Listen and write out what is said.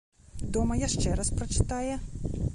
Дома яшчэ раз прачытае.